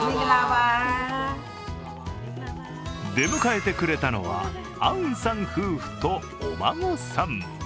出迎えてくれたのは、アウンさん夫婦とお孫さん。